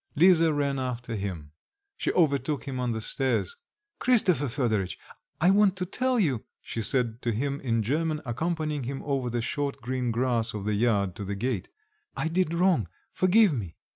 Lisa ran after him. She overtook him on the stairs. "Christopher Fedoritch, I want to tell you," she said to him in German, accompanying him over the short green grass of the yard to the gate, "I did wrong forgive me."